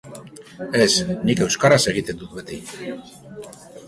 Ez, nik euskaraz egiten dut beti.